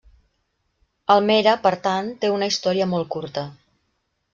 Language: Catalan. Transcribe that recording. Almere, per tant, té una història molt curta.